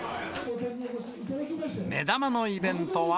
目玉のイベントは。